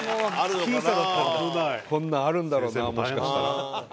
こんなんあるんだろうなもしかしたら。